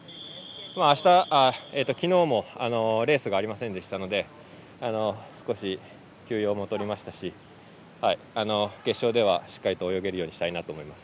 昨日もレースがありませんでしたので少し休養もとりましたし決勝では、しっかりと泳げるようにしたいなと思います。